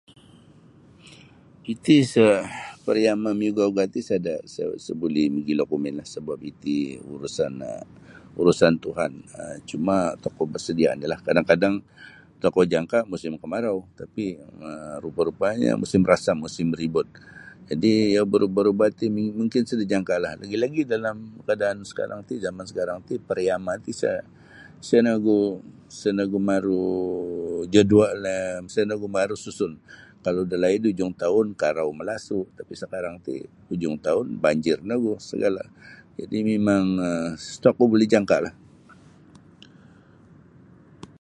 Itih isa pariyama maugaugah ti sada isa sa buli mogilo kumin lah sebab iti urusan um urusan tuhan um cuma tokou besedia ja lah um kadang-kadang tokou jangka musim kemarau tapi um rupa-rupanya musim rasam musim ribut um jadi iyo berubah-ubah ti mungkin suda jangka lah lagi-lagi dalam keadaan sekarang ti jaman sekarang ti pariyama ti isa isa nogu isa nogu maru jadual um isa nogu maru susun kalau da laid ti hujung tahun karau malasu tapi sekarang ti hujung tahun banjir nogu segala jadi mimang um isa kito buli jangka lah.